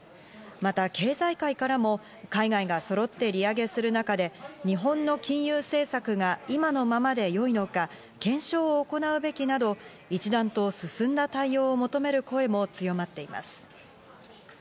また経済界からも海外がそろって利上げする中で、日本の金融政策が今のままで良いのか、検証を行うべきなど、一段と進んだ対応を求める声も強まっています。